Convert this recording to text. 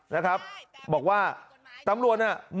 อำเภอโพธาราม